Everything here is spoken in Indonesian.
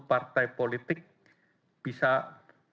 partai politik yang bisa berkomunikasi dengan politik